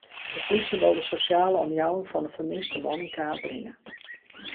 De plysje wol de sosjale omjouwing fan de fermiste man yn kaart bringe.